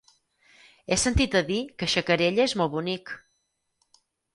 He sentit a dir que Xacarella és molt bonic.